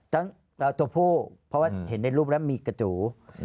ตัวผู้เพราะว่าเห็นในรูปแล้วมีกระจู